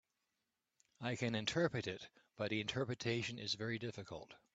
I can interpret it, but the interpretation is very difficult.